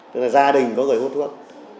tức là gia đình có người hút thuốc